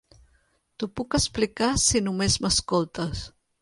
T'ho puc explicar si només m'escoltes.